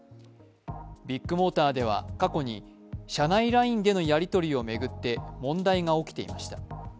ビッグモーターでは、過去に社内ＬＩＮＥでのやりとりを巡って問題が起きていました。